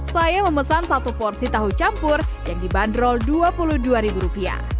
saya memesan satu porsi tahu campur yang dibanderol rp dua puluh dua